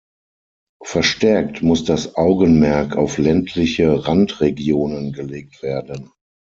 Verstärkt muss das Augenmerk auf ländliche Randregionen gelegt werden.